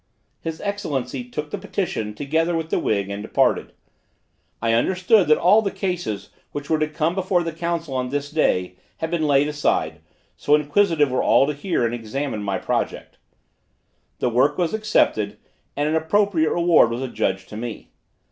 His Excellency took the petition together with the wig, and departed. I understood that all the cases which were to come before the Council on this day, had been laid aside, so inquisitive were all to hear and examine my project. The work was accepted, and an appropriate reward was adjudged to me.